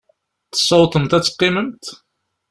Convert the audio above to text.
Tessawḍemt ad teqqimemt?